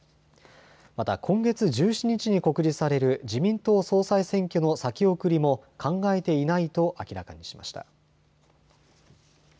また今月１７日に告示される自民党総裁選挙の先送りも考えていないと明らかにしました。